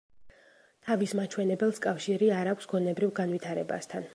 თავის მაჩვენებელს კავშირი არ აქვს გონებრივ განვითარებასთან.